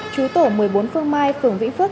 chú tổ một mươi bốn phương mai phường vĩnh phước